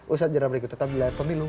usaha jadwal berikut tetap di layar pemilu